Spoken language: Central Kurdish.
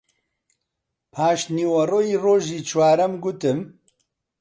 پاش نیوەڕۆی ڕۆژی چوارەم گوتم: